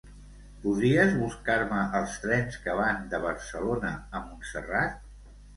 Podries buscar-me els trens que van de Barcelona a Montserrat?